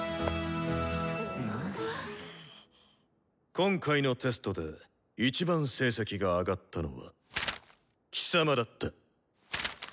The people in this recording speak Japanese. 今回のテストで一番成績が上がったのは貴様だった。